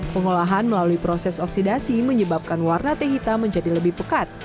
pengolahan melalui proses oksidasi menyebabkan warna teh hitam menjadi lebih pekat